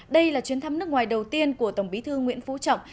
đây là chuyến thăm nước ngoài đầu tiên của tổng bí thư nguyễn phú trọng